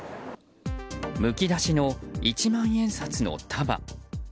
むき出しの一万円札の束。